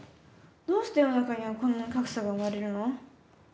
どうして世の中にはこんな格差が生まれるの？